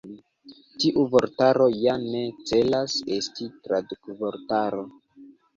Tiu vortaro ja ne celas esti tradukvortaro.